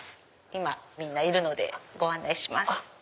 今みんないるのでご案内します。